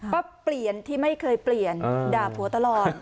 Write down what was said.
ก็เปลี่ยนที่ไม่เคยเปลี่ยนด่าผัวตลอด